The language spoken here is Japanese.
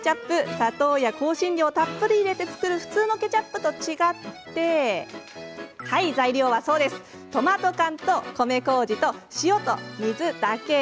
砂糖や香辛料をたっぷり入れて作る普通のケチャップと違って材料はそう、トマト缶と米こうじと塩と水だけ。